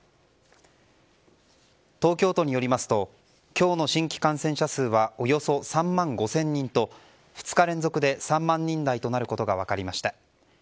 東京都によりますと今日の新規感染者数はおよそ３万５０００人と２日連続で３万人台となることが分かりました。